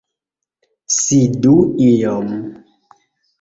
Sidu iom!